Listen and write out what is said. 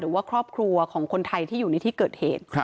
หรือว่าครอบครัวของคนไทยที่อยู่ในที่เกิดเหตุ